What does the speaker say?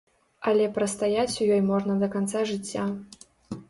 Але прастаяць у ёй можна да канца жыцця.